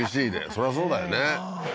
そりゃそうだよね